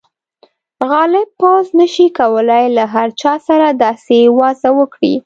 غالب پوځ نه شي کولای له هر چا سره داسې وضعه وکړي.